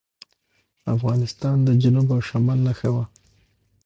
افغانستان د جنوب او شمال نښته وه.